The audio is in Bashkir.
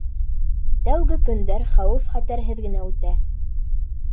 Тәүге көндәр хәүеф-хәтәрһеҙ генә үтә.